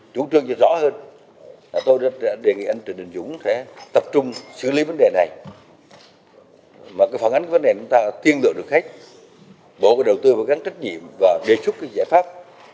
bộ công an đầu tư phải gắn trách nhiệm và đề xuất giải pháp